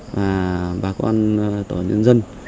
và bà con tổ nhân dân